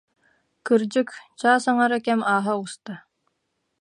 Кырдьык, чаас аҥаара кэм ааһа оҕуста